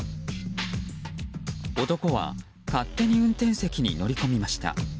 男は勝手に運転席に乗り込みました。